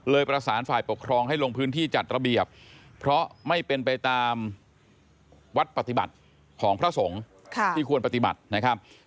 ประสานฝ่ายปกครองให้ลงพื้นที่จัดระเบียบเพราะไม่เป็นไปตามวัดปฏิบัติของพระสงฆ์ที่ควรปฏิบัตินะครับ